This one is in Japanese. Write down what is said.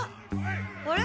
あれ？